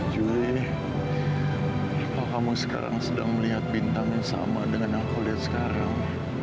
julie apa kamu sekarang sedang melihat bintang yang sama dengan aku lihat sekarang